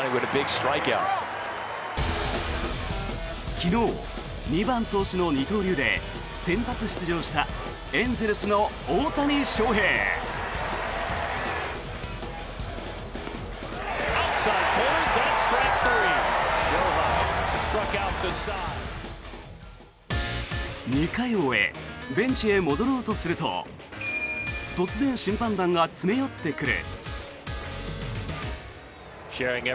昨日、２番、投手の二刀流で先発出場したエンゼルスの大谷翔平。２回を終えベンチへ戻ろうとすると突然、審判団が詰め寄ってくる。